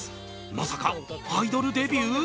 まさかアイドルデビュー？